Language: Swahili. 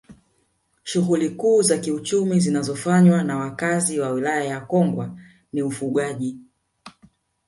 Shughuli kuu za kiuchumu zinazofanywa na wakazi wa Wilaya ya Kongwa ni ufugaji